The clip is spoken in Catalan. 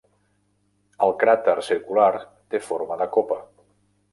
El cràter circular té forma de copa.